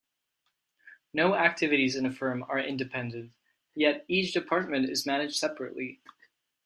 No activities in a firm are independent, yet each department is managed separately.